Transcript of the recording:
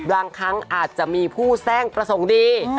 บางครั้งอาจจะมีผู้แทร่งประสงค์ดี